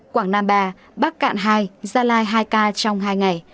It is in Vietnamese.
quảng nam ba bắc cạn hai gia lai hai ca trong hai ngày